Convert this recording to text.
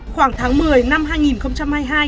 khoảng tháng một mươi năm hai nghìn hai mươi hai